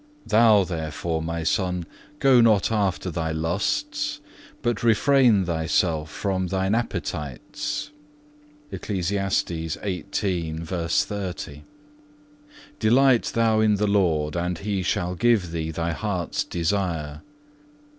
Thou therefore, my son, go not after thy lusts, but refrain thyself from thine appetites.(1) Delight thou in the Lord, and He shall give thee thy heart's desire.